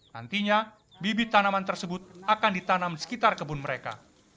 nantinya bibit tanaman tersebut akan ditanam di sekitar kebun mereka